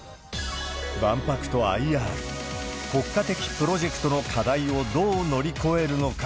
万博とＩＲ、国家的プロジェクトの課題をどう乗り越えるのか。